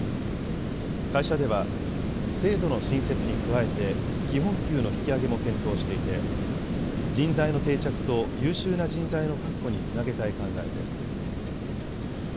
会社では、制度の新設に加えて、基本給の引き上げも検討していて、人材の定着と優秀な人材の確保につなげたい考えです。